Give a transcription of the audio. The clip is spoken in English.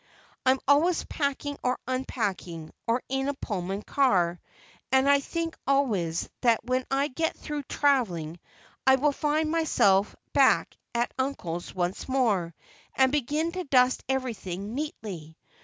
I'm always packing or unpacking, or in a Pullman car, and I think always that when I get through traveling I will find myself back at uncle's once more, and begin to dust everything neatly.